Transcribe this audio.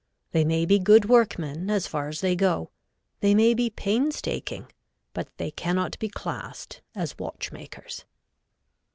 They may be good workmen as far as they go; they may be painstaking; but they cannot be classed as watchmakers.